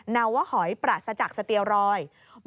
นาววะหอยปรัสจากสเตียรอย